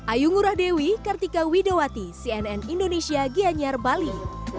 ayu ngurah dewi kartika widowati cnn indonesia gianyar bali